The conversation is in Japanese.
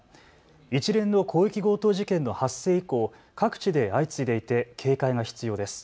一連の広域強盗事件の発生以降、各地で相次いでいて警戒が必要です。